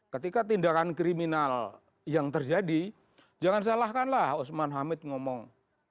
ketika tindakan kriminal yang terjadi jangan salahkanlah usman hamid ngomong